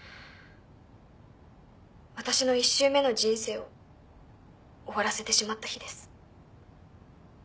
私の１周目の人生を終わらせてしまった日です。